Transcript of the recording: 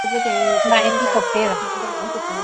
¿Mbaʼépiko péva?